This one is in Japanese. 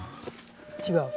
違う？